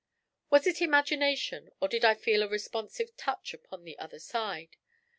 Was it imagination, or did I feel a responsive touch upon the other side?